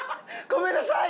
ごめんなさい！